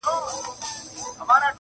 ته به ژاړې پر عمل به یې پښېمانه!!